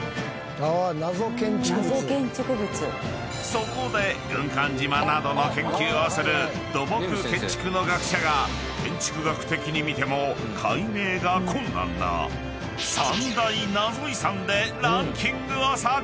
［そこで軍艦島などの研究をする土木・建築の学者が建築学的に見ても解明が困難な３大ナゾ遺産でランキングを作成！］